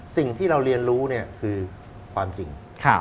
สิ่งที่เราเรียนรู้คือความจริง